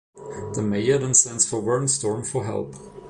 The Mayor then sends for Wernstrom for help.